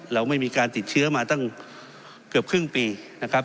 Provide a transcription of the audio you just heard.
เราไม่มีการติดเชื้อมาตั้งเกือบครึ่งปีนะครับ